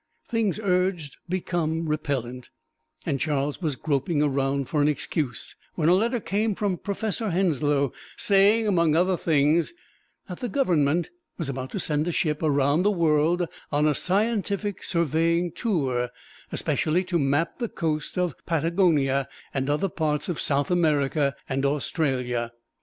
Things urged become repellent; and Charles was groping around for an excuse when a letter came from Professor Henslow, saying, among other things, that the Government was about to send a ship around the world on a scientific surveying tour, especially to map the coast of Patagonia and other parts of South America and Australia.